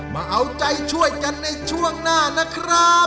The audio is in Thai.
มาเอาใจช่วยกันในช่วงหน้านะครับ